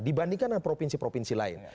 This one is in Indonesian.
dibandingkan dengan provinsi provinsi lain